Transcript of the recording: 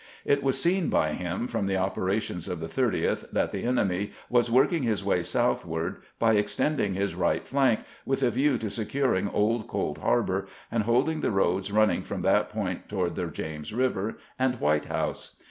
It was seen by him from the operations of the 30th that the enemy was working his way southward by ex tending his right flank, with a view to securing Old Cold Harbor, and holding the roads running from that point toward the James River and White House.